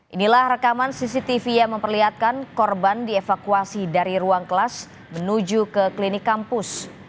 inilah rekaman cctv yang memperlihatkan korban dievakuasi dari ruang kelas menuju ke klinik kampus